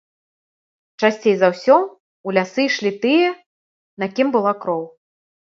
Часцей за ўсё, у лясы ішлі тыя, на кім была кроў.